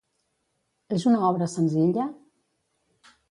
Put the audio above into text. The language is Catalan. És una obra senzilla?